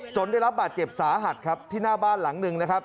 ได้รับบาดเจ็บสาหัสครับที่หน้าบ้านหลังหนึ่งนะครับ